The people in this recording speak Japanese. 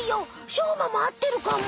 しょうまもあってるかも！